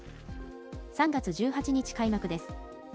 ３月１８日開幕です。